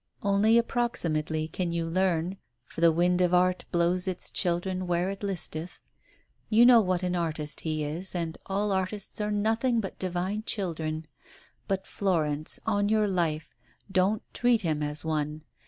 Only approximately can you learn, for the wind of art blows its children where it listeth. You know what an artist he is, and all artists are nothing but divine children. But, Florence, on your life, don't treat him as one.